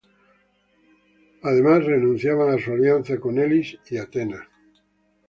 Además, renunciaban a su alianza con Elis y Atenas.